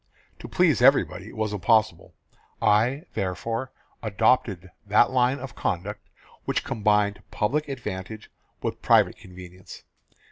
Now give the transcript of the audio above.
... To please everybody was impossible. I therefore, adopted that line of conduct which combined public advantage with private convenience.